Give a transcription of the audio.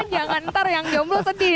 jangan ntar yang jomblo sedih